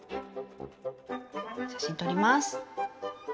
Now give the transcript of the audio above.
写真撮ります。